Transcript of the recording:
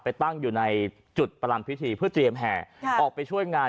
ตั้งอยู่ในจุดประลำพิธีเพื่อเตรียมแห่ออกไปช่วยงาน